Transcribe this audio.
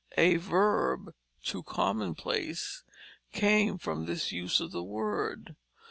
A verb, to commonplace, came from this use of the word.